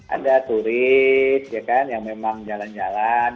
ada turis ya kan yang memang jalan jalan